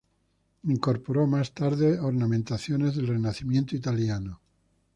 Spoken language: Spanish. Incorporó, más tarde, ornamentaciones del Renacimiento italiano.